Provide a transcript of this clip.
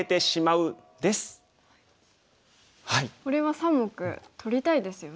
これは３目取りたいですよね。